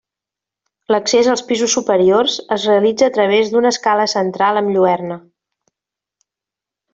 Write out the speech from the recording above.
L'accés als pisos superiors es realitza a través d'una escala central amb lluerna.